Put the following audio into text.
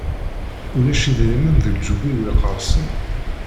Ulac idrimen deg leǧyub-iw iqersen.